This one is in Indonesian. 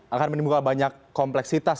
akan menimbulkan banyak kompleksitas